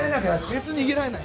熱、逃げられない。